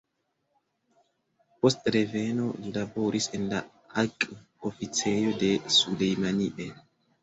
Post reveno, li laboris en la akv-oficejo de Sulejmanie.